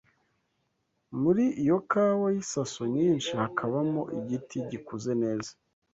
Muli iyo kawa y’isaso nyinshi Hakaba mo igiti gikuze neza